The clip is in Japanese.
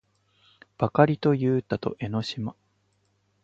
ばかりとゆうたと江の島